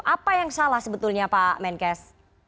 apa yang salah sebetulnya pak menkes